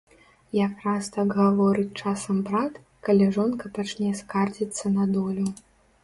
Якраз так гаворыць часам брат, калі жонка пачне скардзіцца на долю.